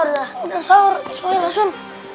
udah sahur ismail asun